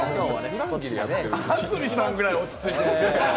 安住さんぐらい落ち着いてる。